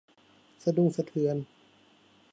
สะดุ้งสะเทือน